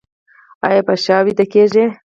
ایا په شا ویده کیږئ؟